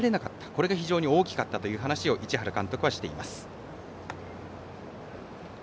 これが非常に大きかったと市原監督はしています。